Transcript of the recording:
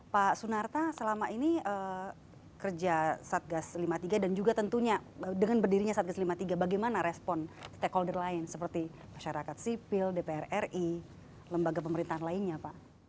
pak sunarta selama ini kerja satgas lima puluh tiga dan juga tentunya dengan berdirinya satgas lima puluh tiga bagaimana respon stakeholder lain seperti masyarakat sipil dpr ri lembaga pemerintahan lainnya pak